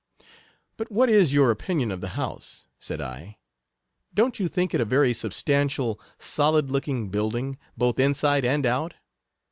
—" But what, is your opinion of the house?" said I ;" don't you think it a very substan tial, solid looking building, both inside and out?